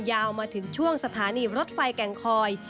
ยาวมาถึงช่วงสถานีรถไฟแก่งคอย